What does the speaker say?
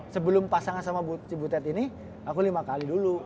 sebelum pasangan sama bu cibutet ini aku lima kali dulu